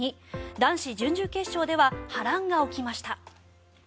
男子準々決勝では波乱が起きました。